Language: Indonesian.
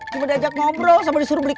coba diajak ngobrol sampai disuruh berenang